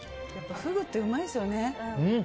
フグってうまいですよね。